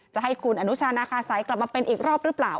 จะให้คุณอนุชานาคาสัยกลับมาเป็นอีกรอบหรือเปล่า